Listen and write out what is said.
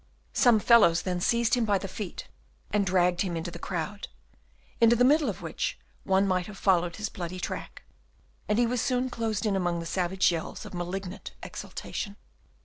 Some fellows then seized him by the feet, and dragged him into the crowd, into the middle of which one might have followed his bloody track, and he was soon closed in among the savage yells of malignant exultation.